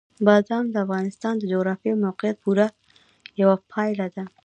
بادام د افغانستان د جغرافیایي موقیعت پوره یوه پایله ده.